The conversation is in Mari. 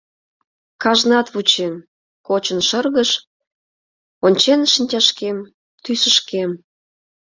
Кажнат вучен, кочын шыргыж, Ончен шинчашкем, тӱсышкем.